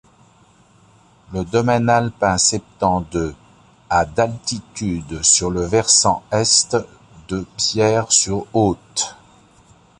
Le domaine alpin s’étend de à d’altitude sur le versant est de Pierre-sur-Haute.